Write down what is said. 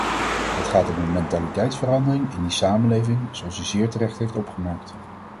Het gaat om een mentaliteitsverandering in die samenlevingen, zoals u zeer terecht heeft opgemerkt.